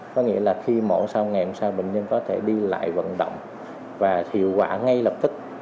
có nghĩa là khi mổ sau ngày sau bệnh nhân có thể đi lại vận động và hiệu quả ngay lập tức